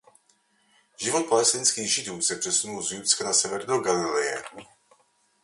Život palestinských Židů se přesunul z Judska na sever do Galileje.